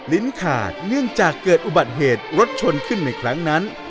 ลิ้นขาดเนื่องจากเกิดอุบัติเหตุรถชนขึ้นในครั้งนั้น